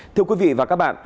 thưa quý vị và các bạn